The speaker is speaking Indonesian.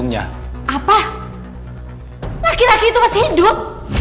apa laki laki itu masih hidup